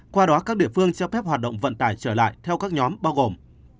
qua đó các địa phương cho phép hoạt động vận tải trở lại theo các nhóm bao gồm